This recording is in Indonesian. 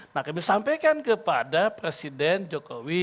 nah kami sampaikan kepada presiden jokowi